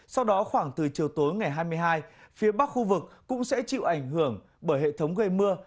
sau đó khoảng từ chiều tối ngày hai mươi hai phía bắc khu vực cũng sẽ chịu ảnh hưởng bởi hệ thống gây mưa